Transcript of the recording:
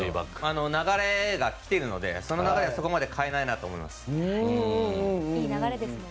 流れが来ているので、その流れはそこまで変えないと思います。